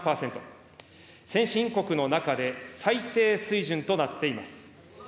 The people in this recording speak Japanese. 先進国の中で最低水準となっています。